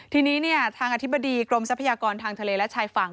ทีนี้ทางอธิบดีกรมทรัพยากรทางทะเลและชายฝั่ง